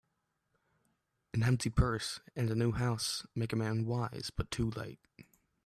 An empty purse, and a new house, make a man wise, but too late